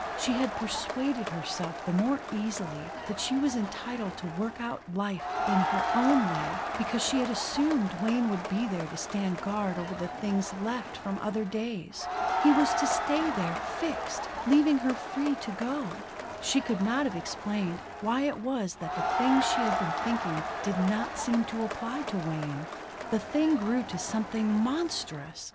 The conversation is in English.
She had persuaded herself the more easily that she was entitled to work out her life in her own way because she had assumed Wayne would be there to stand guard over the things left from other days. He was to stay there, fixed, leaving her free to go. She could not have explained why it was that the things she had been thinking did not seem to apply to Wayne. The thing grew to something monstrous.